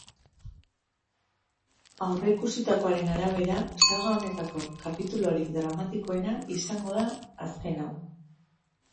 Aurreikusitakoaren arabera, saga honetako kapitulurik dramatikoena izango da azken hau.